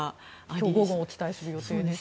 今日午後お伝えする予定ですが。